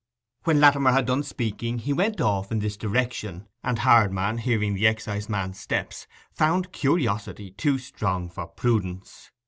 When Latimer had done speaking he went on in this direction, and Hardman, hearing the exciseman's steps, found curiosity too strong for prudence.